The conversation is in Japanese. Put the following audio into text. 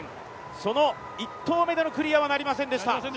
その１投目でのクリアはなりませんでした。